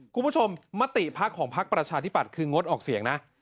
คุณผู้ชมมติพักของพักประชาธิบัตย์คืองดออกเสียงนะ